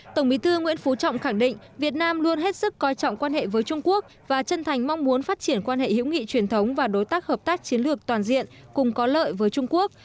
tổng bí thư nguyễn phú trọng khẳng định việt nam luôn hết sức coi trọng quan hệ với trung quốc và chân thành mong muốn phát triển quan hệ hữu nghị truyền thống và đối tác hợp tác chiến lược toàn diện cùng có lợi với trung quốc